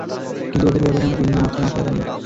কিন্তু, ওদের ব্যাপারে আমার বিন্দুমাত্র মাথাব্যাথা নেই।